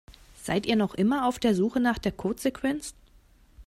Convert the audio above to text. Seid ihr noch immer auf der Suche nach der Codesequenz?